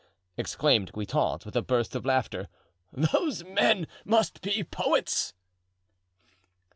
exclaimed Guitant, with a burst of laughter; "those men must be poets."